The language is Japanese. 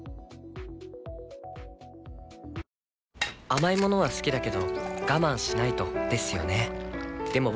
甘い物は好きだけど我慢しないとですよね